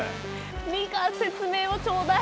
ミカ説明をちょうだい！